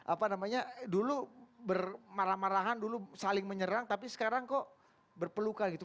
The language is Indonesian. apa namanya dulu bermarah marahan dulu saling menyerang tapi sekarang kok berpelukan gitu